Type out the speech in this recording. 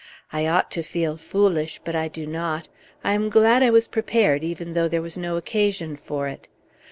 I ought to feel foolish; but I do not. I am glad I was prepared, even though there was no occasion for it.